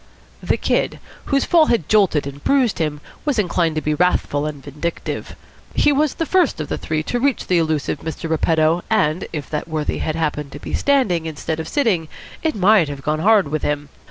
The Kid, whose fall had jolted and bruised him, was inclined to be wrathful and vindictive. He was the first of the three to reach the elusive Mr. Repetto, and if that worthy had happened to be standing instead of sitting it might have gone hard with him.